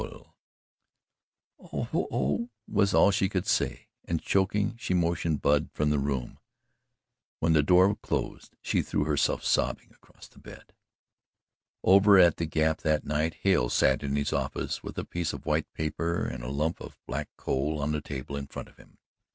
"Oh oh," was all she could say, and choking, she motioned Bub from the room. When the door closed, she threw herself sobbing across the bed. Over at the Gap that night Hale sat in his office with a piece of white paper and a lump of black coal on the table in front of him.